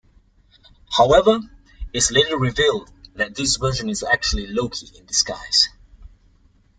However, it's later revealed that this version is actually Loki in disguise.